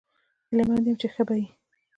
هیله مند یم چې ښه به یې